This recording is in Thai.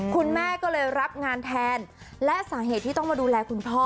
คุณแม่ก็เลยรับงานแทนและสาเหตุที่ต้องมาดูแลคุณพ่อ